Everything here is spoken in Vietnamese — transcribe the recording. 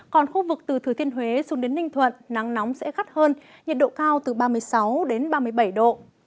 còn khu vực từ thừa thiên huế xuống đến ninh thuận nắng nóng sẽ gắt hơn nhiệt độ cao từ ba mươi sáu đến ba mươi bảy độ